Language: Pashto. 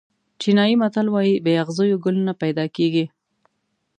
چینایي متل وایي بې اغزیو ګل نه پیدا کېږي.